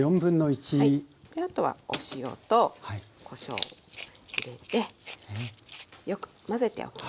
であとはお塩とこしょうを入れてよく混ぜておきます。